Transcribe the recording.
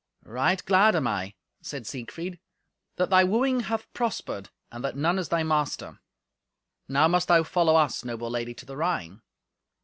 "Right glad am I," said Siegfried, "that thy wooing hath prospered, and that none is thy master. Now must thou follow us, noble Lady, to the Rhine."